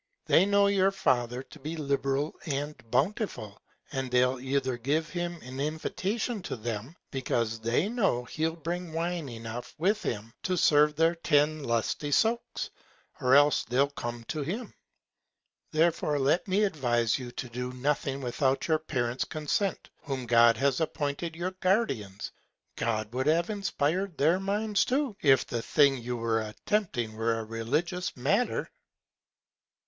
They know your Father to be liberal and bountiful, and they'll either give him an Invitation to them, because they know he'll bring Wine enough with him to serve for ten lusty Soaks, or else they'll come to him. Therefore let me advise you to do nothing without your Parents Consent, whom God has appointed your Guardians. God would have inspired their Minds too, if the Thing you were attempting were a religious Matter.